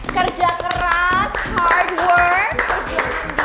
kerja keras hard work kerja sendia